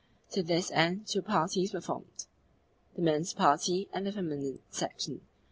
To this end two parties were formed the men's party and the feminine section.